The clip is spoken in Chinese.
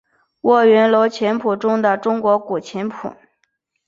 卧云楼琴谱中国古琴谱。